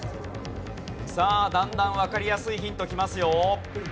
さあだんだんわかりやすいヒントきますよ。